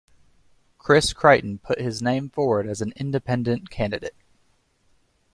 Chris Creighton put his name forward as an independent candidate.